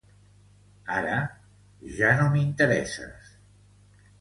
Ara, ja no m'interesses.